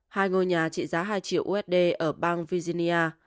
hai ngôi nhà trị giá hai triệu usd ở bang virginia